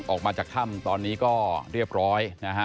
ออกมาจากถ้ำตอนนี้ก็เรียบร้อยนะฮะ